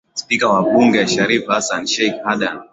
spika wa bunge sharif hassan sheikh hadan